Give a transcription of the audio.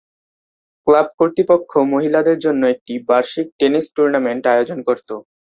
Club কর্তৃপক্ষ মহিলাদের জন্য একটি বার্ষিক টেনিস টুর্নামেন্ট আয়োজন করতো।